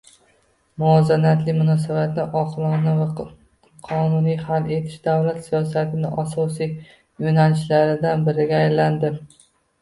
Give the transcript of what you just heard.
Muvozanatli munosabatni oqilona va qonuniy hal etish davlat siyosatining asosiy yoʻnalishlaridan biriga aylandi.